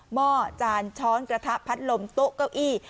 ห้อจานช้อนกระทะพัดลมโต๊ะเก้าอี้